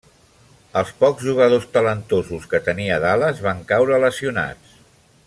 Els pocs jugadors talentosos que tenia Dallas van caure lesionats.